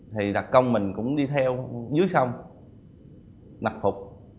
thì đặc công mình cũng đi theo dưới sông nập phục